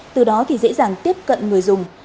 từ đó thì dễ dàng tiếp cận người dùng